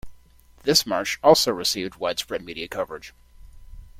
This march also received widespread media coverage.